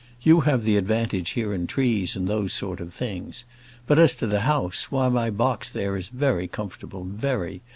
You have the advantage here in trees, and those sort of things. But, as to the house, why, my box there is very comfortable, very.